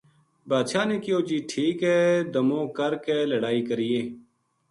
بادشاہ نے کہیو جی ٹھیک ہے دمو کر کے لڑائی کرینے